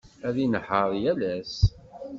Ad inehheṛ yal ass.